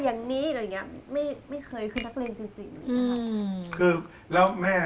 ของคุณยายถ้วน